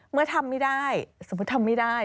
เมื่อทำไม่ได้สมมุติทำไม่ได้